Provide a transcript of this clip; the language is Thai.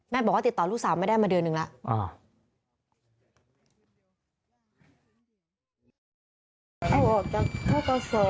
บอกว่าติดต่อลูกสาวไม่ได้มาเดือนหนึ่งแล้ว